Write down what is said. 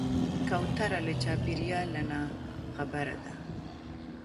کوتره له چاپېریاله نه خبرداره ده.